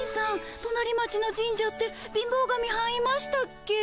となり町の神社って貧乏神はんいましたっけ？